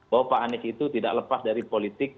bahwa pak anies itu tidak lepas dari politik